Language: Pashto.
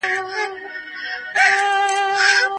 کلتوري عوامل په ټولنه کي مهم ګڼل کيږي.